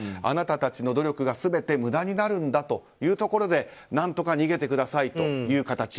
あなたたちの努力が全て無駄になるんだというところで何とか逃げてくださいという形。